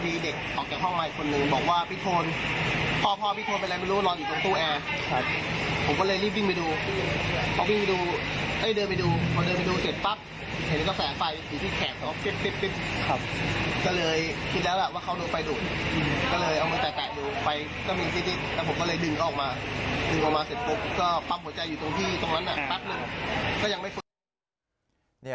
ตรงนั้นปั๊บหนึ่งก็ยังไม่คุย